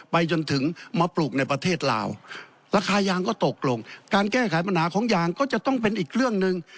ไปจนถึงมาปลูกในประเทศลาวราคายางก็ตกลงการแก้ไขปัญหาของยางก็จะต้องเป็นอีกเรื่องหนึ่ง